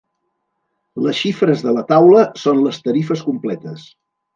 Les xifres de la taula són les tarifes completes.